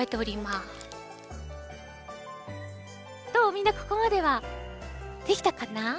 みんなここまではできたかな？